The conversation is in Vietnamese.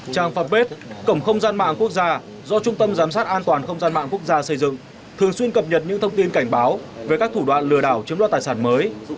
trang phạm bếp cổng không gian mạng quốc gia do trung tâm giám sát an toàn không gian mạng quốc gia xây dựng thường xuyên cập nhật những thông tin cảnh báo về các thủ đoạn lừa đảo chiếm đoạt tài sản mới